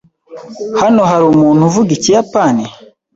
Hano hari umuntu uvuga Ikiyapani?